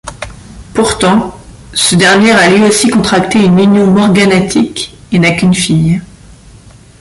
Pourtant, ce dernier a lui aussi contracté une union morganatique et n'a qu'une fille.